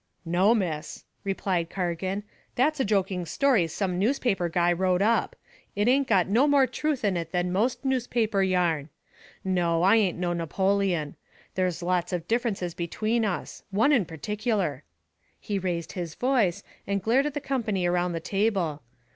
"No, miss," replied Cargan. "That's a joking story some newspaper guy wrote up. It ain't got no more truth in it than most newspaper yarn. No, I ain't no Napoleon. There's lots of differences between us one in particular." He raised his voice, and glared at the company around the table.